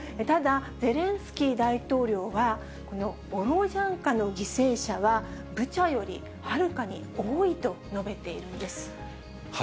ただ、ゼレンスキー大統領は、このボロジャンカの犠牲者は、ブチャよりはるかに多いと述べているんです。